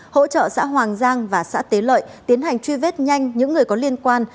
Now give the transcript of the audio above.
hỗ trợ xã hoàng giang và xã tế lợi tiến hành truy vết nhanh những người có liên quan